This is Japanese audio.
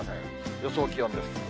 予想気温です。